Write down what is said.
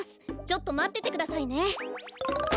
ちょっとまっててくださいね。